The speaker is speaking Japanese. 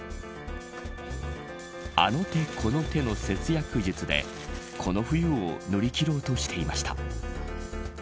あの手この手の節約術でこの冬を乗り切ろうとしています。